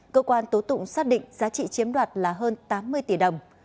cơ quan tố tụng xác định giá trị chiếm đoạt là hơn tám mươi tỷ đồng